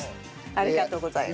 ありがとうございます。